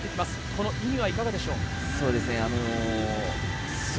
この意味はいかがでしょう？